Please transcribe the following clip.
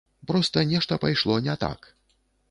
Проста нешта пайшло не так.